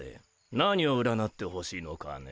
何を占ってほしいのかね？